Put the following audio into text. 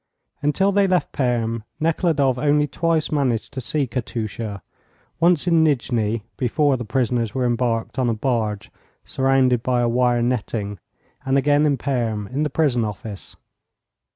Until they left Perm Nekhludoff only twice managed to see Katusha, once in Nijni, before the prisoners were embarked on a barge surrounded with a wire netting, and again in Perm in the prison office.